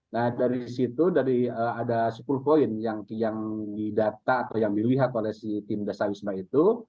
nah dari situ dari ada sepuluh poin yang didata atau yang dilihat oleh si tim dasar wisma itu